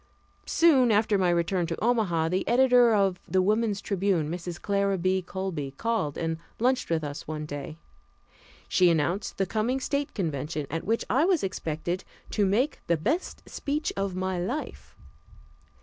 Soon after my return to Omaha, the editor of the Woman's Tribune, Mrs. Clara B. Colby, called and lunched with us one day. She announced the coming State convention, at which I was expected "to make the best speech of my life."